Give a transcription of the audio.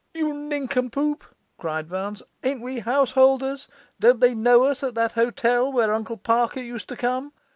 'You nincompoop!' cried Vance. 'Ain't we householders? Don't they know us at that hotel where Uncle Parker used to come.